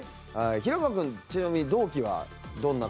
平川君ちなみに同期はどんな方が？